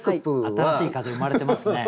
新しい風生まれてますね。